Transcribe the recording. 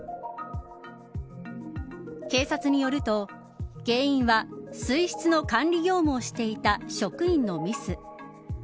警察によると、原因は水質の管理業務をしていた職員のミス。